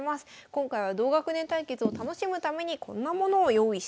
今回は同学年対決を楽しむためにこんなものを用意してみました。